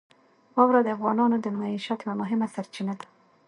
واوره د افغانانو د معیشت یوه مهمه سرچینه ده.